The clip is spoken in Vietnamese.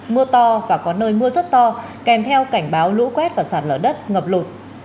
mưa to và có nơi mưa rất to kèm theo cảnh báo lũ quét và sạt lở đất ngập lụt